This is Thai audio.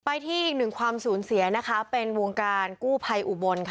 ไปที่อีกนึงความสูญเสียเป็นวงการกู้ภัยอุบล